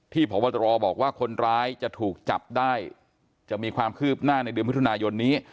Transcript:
พบตรบอกว่าคนร้ายจะถูกจับได้จะมีความคืบหน้าในเดือนมิถุนายนนี้